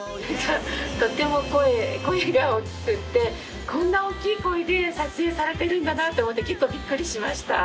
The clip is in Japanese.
とっても声が大きくってこんなおっきい声で撮影されてるんだなって思って結構びっくりしました。